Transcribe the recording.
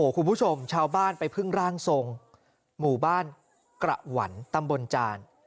คุณผู้ชมชาวบ้านไปพึ่งร่างทรงหมู่บ้านกระหวันตำบลจาน